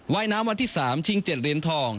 ว่ายน้ำวันที่๓ชิง๗เหรียญทอง